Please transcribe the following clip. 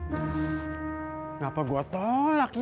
kenapa gua tolak ya